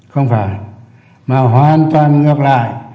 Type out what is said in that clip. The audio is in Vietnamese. không phải mà hoàn toàn ngược lại